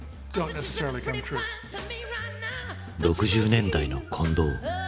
６０年代の混同。